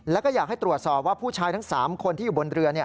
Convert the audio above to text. แล้วก็อยากให้ตรวจสอบว่าผู้ชายทั้ง๓คนที่อยู่บนเรือ